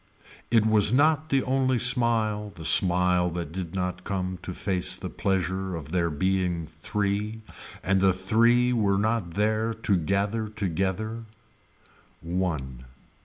It was not the only smile the smile that did not come to face the pleasure of there being three and the three were not there to gather together. One.